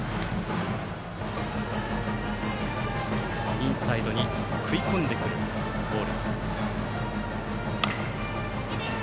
インサイドに食い込んでくるボール。